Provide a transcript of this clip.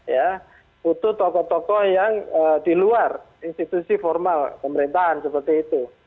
ya butuh tokoh tokoh yang di luar institusi formal pemerintahan seperti itu